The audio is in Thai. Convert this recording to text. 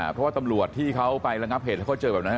เพราะว่าตำรวจที่เขาไประงับเหตุแล้วเขาเจอแบบนั้น